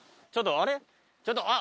ちょっとあれ？